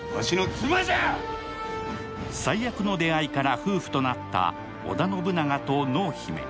最悪の出会いから夫婦となった織田信長と濃姫。